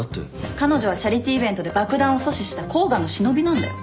彼女はチャリティーイベントで爆弾を阻止した甲賀の忍びなんだよ？